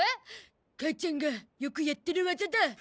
母ちゃんがよくやってる技だ。